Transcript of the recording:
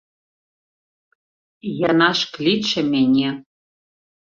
Яна ж кліча мяне.